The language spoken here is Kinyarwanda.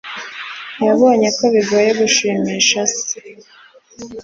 yabonye ko bigoye gushimisha se